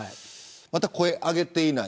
まだ声を挙げていない。